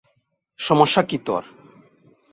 সমস্যা কী তোর?